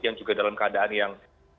yang juga dalam keadaan yang